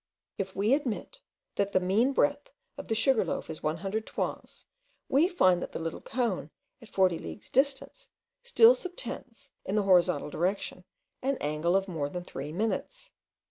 If we admit, that the mean breadth of the Sugar loaf is 100 toises, we find that the little cone, at 40 leagues distance, still subtends, in the horizontal direction, an angle of more than three minutes.